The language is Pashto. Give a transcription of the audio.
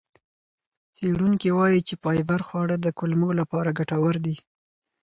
څېړونکي وایي چې فایبر خواړه د کولمو لپاره ګټور دي.